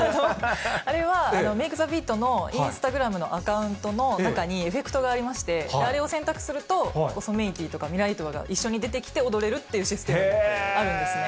あれは、メイクザビートのインスタグラムのアカウントの中にエフェクトがありまして、あれを選択すると、ソメイティとかミライトワが出てきて、踊れるというシステムがあるんですね。